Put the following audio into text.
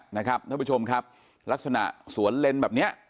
ท่านผู้ชมครับลักษณะสวนเลนแบบเนี้ย